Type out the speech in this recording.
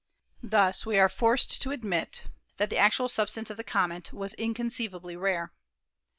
Thus we are forced to admit that the actual substance of the comet was inconceivably rare.